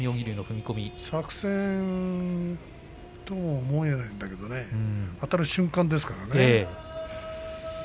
作戦とも思えないんだけれどもねあたる瞬間ですからね。